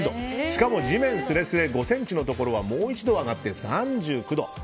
しかも地面すれすれ５ｃｍのところはもう１度上がって３９度。